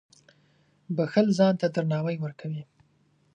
• بښل ځان ته درناوی ورکوي.